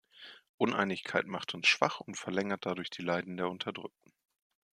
Uneinigkeit macht uns schwach und verlängert dadurch die Leiden der Unterdrückten.